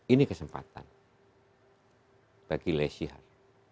ini kesempatan bagi les sihar